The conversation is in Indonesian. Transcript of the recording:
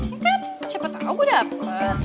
ya kan siapa tau gue dapet